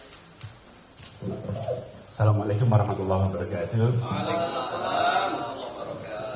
assalamu alaikum warahmatullahi wabarakatuh